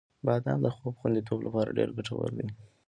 • بادام د خوب خوندیتوب لپاره ډېر ګټور دی.